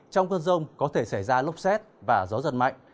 trong cơn rông có thể xảy ra lốc xét và gió giật mạnh